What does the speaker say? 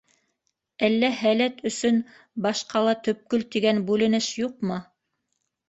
Әллә һәләт өсөн баш ҡала-төпкөл тигән бүленеш юҡмы?